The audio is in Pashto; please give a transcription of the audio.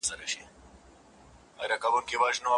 املا د زده کړي بهیر ته نظم ورکوي.